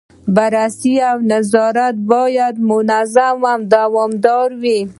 بررسي او نظارت باید منظم او دوامداره وي.